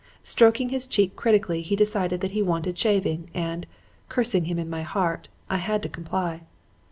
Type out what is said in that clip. Stroking his cheek critically he decided that he wanted shaving, and, cursing him in my heart, I had to comply.